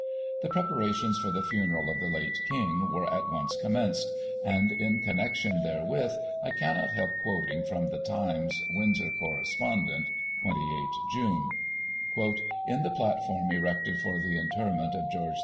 The preparations for the funeral of the late King were at once commenced ; and, in connection therewith, I cannot help quoting from The Times' Windsor Correspondent (28 June) : "In the platform erected for the interment of George IV.